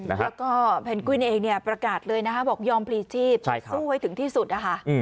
แล้วก็เพนกวินเองประกาศเลยบอกยอมพลีชีพสู้ไว้ถึงที่สุด